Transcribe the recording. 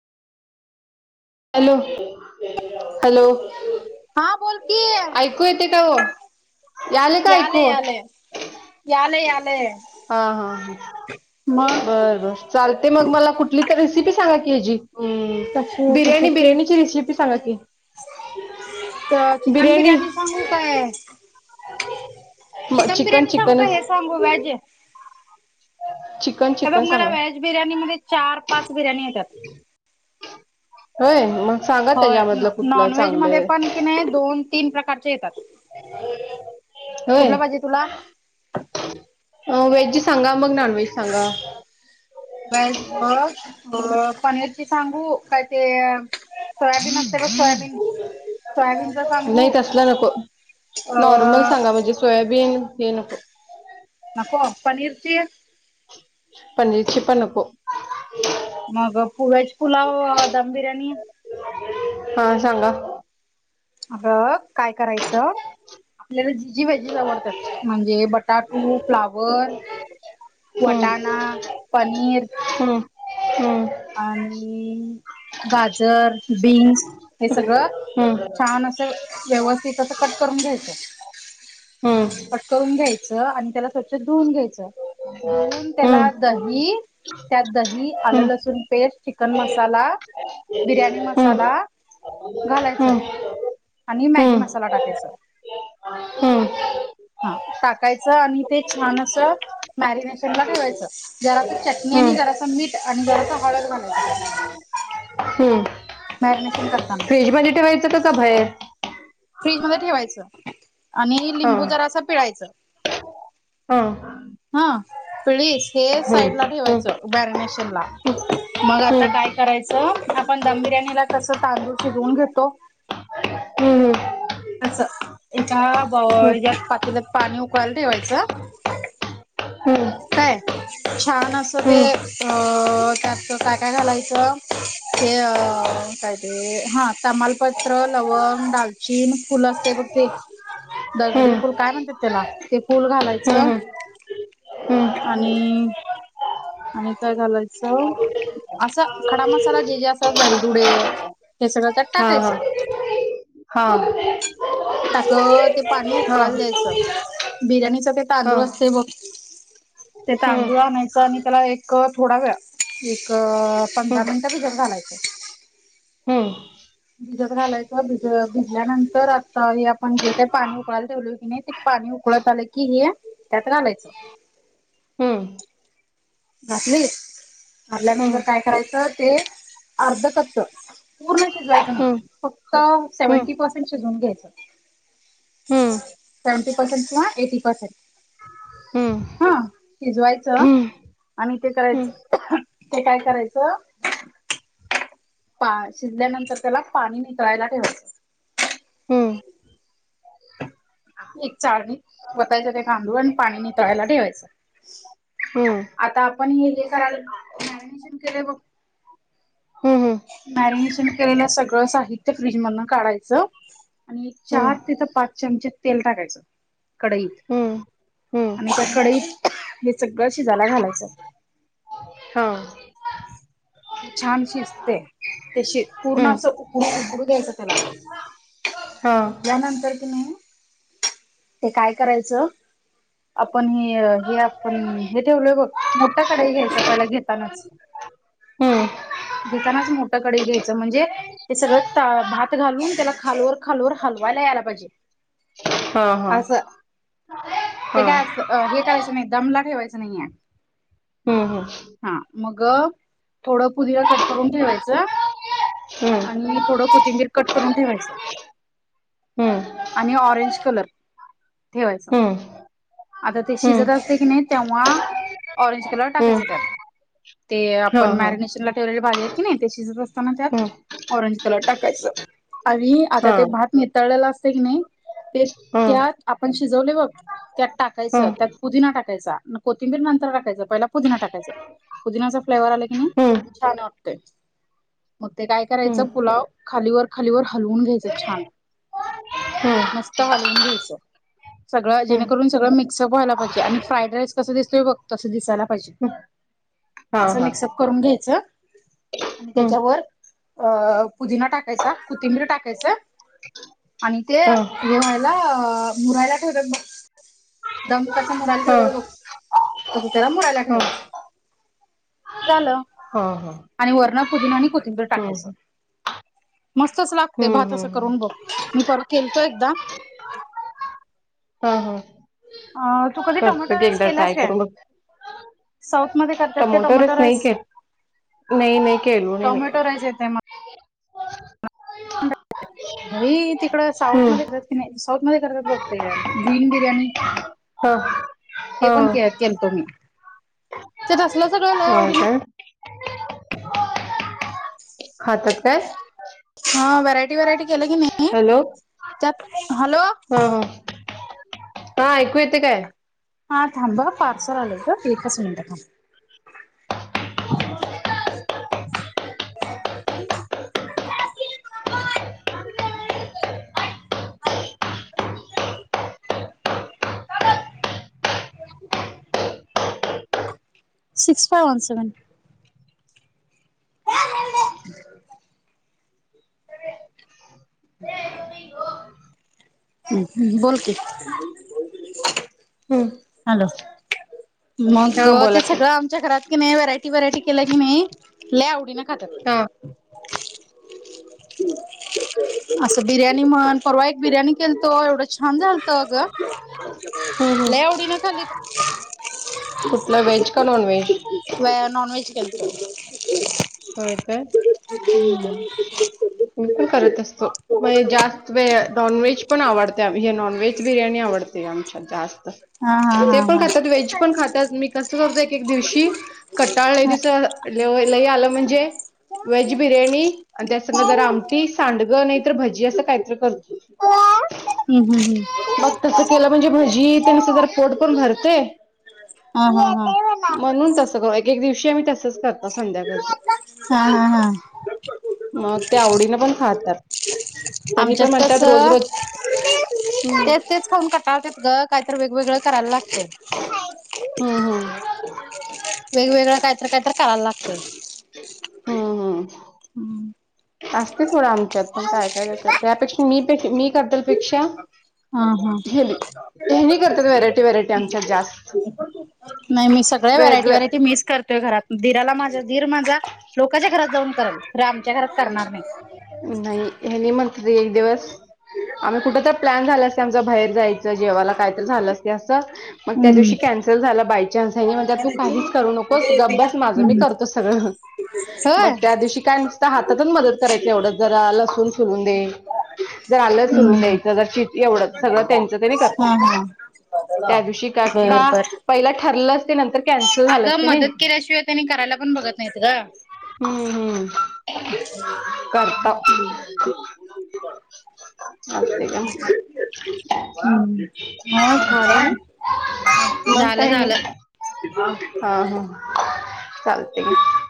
Hello hello. हा बोल की ऐकू येते का ओ, यालय का ऐकू? यालय यालय हा हा मग बर बर. चालतंय मग मला कुठली तर रेसिपी सांगा की हेजी अं कसे बिर्याणी कशाचे बिर्याणीची रेसिपी सांगा की. तर चिकन बिर्याणी सांगू काय म चिकन चिकनच. सांगो व्हेज. चिकन हे बघ चिकन मला सांगा व्हेज बिर्याणी मध्ये चार, पाच बिर्याणी येतात. होय मग सांग. होय नॉन नॉनव्हेज मध्ये पण की नाही दोन तीन प्रकारचे येतात. होय. कुठलं पाहिजे तुला अ व्हेजची सांगा, मग नॉन व्हेज सांगा. [inaudible] [unintelligible] बघ अं पनीरची सांगू का ते सोयाबीन असतंय बघ सोयाबीन. सोयाबीनच नाही सांगू तसलं नको, नॉर्मल अ सांगा म्हणजे सोयाबीन हे नको. नको, पनीरची पनीरची पण नको. मग पु व्हेज पुलाव दम बिर्याणी. हां सांगा. अ बघ काय करायचं, आपल्याला जी जी व्हेजेस आवडतात. म्हणजे बट टाटू, फ्लावर, हम्म वटाणा, पनीर हम्म हम्म. आणि गाजर, बीन्स हे सगळं छान असं व्यवस्थित असं कट करून घ्यायचं. कट करून घ्यायचं आणि त्याला स्वच्छ धुवून घ्यायचं. धुऊन त्याला दही, त्यात दही आलं लसूण चुनपेस्ट, चिकन मसाला, बिर्याणी मसाला घालायचं फ्रीज आणि मॅगी मसाला टाकायचं. हां टाकायचं आणि ते छान असं मॅरिनेशनला ठेवायचं, जरासं चटणी आणि जरासं मीठ आणि जरा हळद घालायच त्यात मॅरीनेशन कर फ्रीजमध्ये ठेवायचं का बाहेर. फ्रीज मध्ये ठेवायचं. आणि हा लिंबू जरा असं पिळायचं. हो. हा पिळीस हे साईड ला ठेवायचं. मॅरिनेशन ला. मंग आता हा काय करायचं, आपण दम बिर्याणीला कसं तांदूळ शिजवून घेतो. हम्म. असं एका बा हेच्यात पातील्यात पाणी उकळायला ठेवायचं. काय छान अस ते अ त्यात काय काय घालायचं. ते अ काय ते हा तमालपत्र लवंग डालचीन फुल असते बघ. ते दगडी फुल काय म्हणतात त्याला ते फुल घालायचं. आणि. आणि काय घालायचं. असं खडा मसाला जे जे असं वेलदुडे. हे सगळं टाक. हा हा हा. आगं ते पाणी उकळायला द्यायचं. बिर्याणीच ते हा हा तांदूळ असते बघ. ते तांदूळ हम्म आणायच आणि त्याला एक. क थोडा वेळ एक पंधरा मिनिट भिजत घालायचं. हम्म भिजत घालायचं भिज भिजल्यानंतर आता हे, आपण जे काही पाणी उकळायला ठेवलोय कणी. पाणी उकळत आलं की, हे त्यात घालायचं. घातली की हम्म काढल्यानंतर हम्म काय करायचं ते अर्धकच. पूर्ण शिजवायचं नाही. हम्म फक्त हम्म सेव्हंटी पर्सेंट शिजून घ्यायच. हम्म सेवंटी पर्सेंट किंवा एटी पर्सेंट. हम्म हा शिजवायचं. हं, आणि ते हं, करायचं ते काय करायचं. पा शिजल्यानंतर त्याला पाणी नितळायला ठेवायचं. हं, एक चाळणीत वतायचं ते तांदूळ आणि पाणी नीतळायला ठेवायचं. हं, आता आपण हे जे करालोय मॅरिनेशन केलोय बघ. हं, मॅरिनेशन केलेलं सगळं साहित्य फ्रीज मधन काढायचं. आणि एक हं, चार तिथं पाच चमचे तेल टाकायचं कडईत. हं, हं, आणि त्या कडईत हे सगळं शिजायला घालायचं. हो. ते छान शिजते. ते शि पूर्ण हं, असं उकडू उकडू द्यायचं त्याला. हां, त्यानंतर क नाही ते काय करायचं आपण हे हे आपण हे ठेवलोय बग. मोठं कढई घ्यायच पहिला घेतानाच. हं, घेतानाच मोठं कढई घ्यायचं म्हणजे. ते सगळं ता भात घालून त्याला, खालवर खालवर हलवायला यायला पाहिजे. हा हा. असं ते काय असं हे करायचं नाही. दमला ठेवायच नाही ये हं, हं. हा. मग थोडं पुदिना कट करून ठेवायचं. हं. आणि थोडं कोथिंबीर कट करून ठेवायचं. आणि ऑरेंज कलर ठेवायच. हं, हं, आता ते हं, शिजत असते. कणी तेव्हा ऑरेंज कलर टाकायच हं, त्यात. ते आपण हां, हां, मॅरिनेशन ला ठेवलेले भाजीत. कणी ते शिजत असताना, त्यात हं, ऑरेंज कलर टाकायचं आणि आता ते हां, भात. नितळलेलं असत कणी ते हां, त्यात आपण शिजवले बघ त्यात हां, टाकायचं त्यात. पुदिना टाकायचा, मग कोथिंबीर नंतर टाकायचं, पहिला पुदिना टाकायचं. पुदिनाचा फ्लेवर्ह आला कणी हं, छान वाटतंय. मग ते काय हं, हं, करायचं. पुलाव खालीवर खालीवर हलवून घ्यायचं छान. हं, मस्त हलवून घ्यायचं. सगळं हं, जेणेकरून सगळं मिक्सअपव्हायला पाहिजे. आणि फ्राईड राईस कसा दिसतोय बघ तसं दिसायला पाहिजे. हां, असं हां, मिक्सअप करून घ्यायचं. आणि हं, तेच्यावर अ पुदिना टाकायचा कोथिंबीर टाकायचं. आणि ते हां, हे व्हायला मुरायला ठेवतात बघ. दम कसा मुरायला हां, ठेवत्यात बघ तसं त्याला मुरायला हां, ठेवायचं. झालं. हा हा. आणि वरन पुदिना आणि कोथिंबीर टाकायचं. मस्तच लागतंय हम्म भात असं हम्म करून बघ. मी परवा केलतो एकदा. हा हा. अ तू कधी टोमॅटो करतो की राइस एकदा केल्यास ट्राय काय. करून बघ साउथ मध्ये करत्यात तो टमॅटो टोमॅटो रस नाही राइस के नाही नाही केलो नाही मी टोमॅटो राइस ये भाई तिकडं साउथ हम्म मध्ये करतात की नाही साउथ मध्ये करतात बघ ते ग्रीन बिर्याणी. हा ते हा पण के केल तो मी. तिथ तसलंच अ हा काय खात्यात काय. हा व्हरायटी व्हरायटी केलं कणी हॅलो त्यात हॅलो. हा हा हा ऐकू येते काय. हा थांब हं पार्सल आलेय गं एकच मिनटं थांब. [inaudible] [unintelligible] [inaudible] Six four one seven. [inaudible] हम् हम् बोल की. हम्म हॅलो, मग हा बोला ते की सगळं आमच्या घरात कणी व्हरायटी व्हरायटी केल कणी लयआवडीनं हा खात्यात. [inaudible] असं बिर्याणी म्हण परवा एक बिर्याणी केलतो एवढं छान झालत अगं. हम्म हम्म लै आवडीनं खाल्लीत. कुठलं व्हेज का नॉन व्हेज. व्हेन नॉनव्हेज केलं होतं. होय काय. [unintelligible] मी पण करत असतो. व्हयं जास्त व नॉनव्हेज पण आवडते. हे नॉनव्हेज बिर्याणी आवडते आमच्यात जास्तं. हा हा ते पण हा खात्यात व्हेज पण खात्यात. मी कस एक एक दिवशी कटाळ लै हा दिवस लय आलं म्हणजे. वेज बिर्याणी आणि त्यास त्यांना जरा आमटी सांडगे नाही तर भजी असं काहीतरी करतो. हम् हम् हम. मग तसं केलं म्हणजे भजी तेन असं जरा पोटपण भरतंय. हम्म हा हा हा म्हणून तसं कर एक एक दिवशी आम्ही तसच करत संध्याकाळचं. हा हा हा. मग ते आवडीनं पण खातात. त्यांनी आमच्यात पण म्हणतात रोज कसं रोज हम्म तेच तेच खाऊन कटाळत्यात गं, काहीतर वेगवेगळं करायला लागतंय. हम्म हम्म. वेग वेगळा कायतर कायतर करायला लागतंय. हम्. असतंय थोडं आमच्यात पण काय काय तशात, त्यापेक्षा मी पे मी करत्याल पेक्षा हा हा हेनी हेनी करत्यात व्हरायटी व्हरायटी आमच्यात जास्त. नाही मी सगळ्या व्हरायटी वेगळं व्हरायटी मिस करतोय घरात. दिराला माझ्या दिर माझा लोकांच्या घरात जाऊन करल, खरं आमच्या घरात करणार नाही. नाही हे मंथली एक दिवस आम्ही कुठं तर प्लॅन झाला असतोय आमचा बाहेर जाय च जेवाला कायतर झालं असतंय असं. मंग हम्म त्यादिवशी कॅन्सल झालं बाई. चान्स हेनी म्हणत्यात, तू काहीच करू नकोस गप बस माझं मी हम्म करतो सगळं. होय मग त्या हम्म दिवशी काय नुसतं हातातून मदत करायची, एवढंच जरा लसून सोलून दे. जर आलं सुलून हम्म द्यायचं, [unintelligible] एवढं सगळं तेंचं तेनी कर हा हा त्या दिवशी का बर का बर पहिला ठरलं ते नंतर केन्स अगं मदत केल्याशिवाय त्यांनी करायला पण बघत नाहीत गं. हं हं करताव. असते का मग. हं [unintelligible] मग झालं [unintelligible] मग झालं काही झालं. तिथून तिथं. चालतंय की.